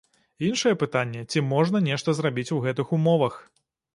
Іншае пытанне, ці можна нешта зрабіць у гэтых умовах.